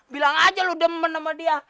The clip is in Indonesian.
bilang aja lu demben sama dia